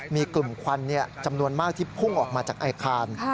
มีกลุ่มควันจำนวนมากที่พุ่งออกมาจากอาคาร